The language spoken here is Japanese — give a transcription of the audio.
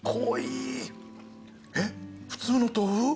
えっ普通の豆腐？